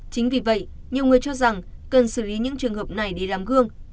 chính vì vậy nhiều người cho rằng cần xử lý những trường hợp này để làm gương